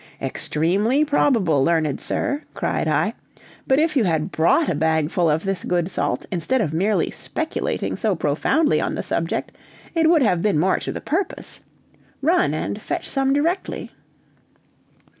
"Extremely probable, learned sir," cried I; "but if you had brought a bagful of this good salt instead of merely speculating so profoundly on the subject, it would have been more to the purpose. Run and fetch some directly."